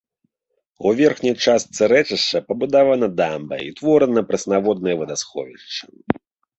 У верхняй частцы рэчышча пабудавана дамба і ўтворана прэснаводнае вадасховішча.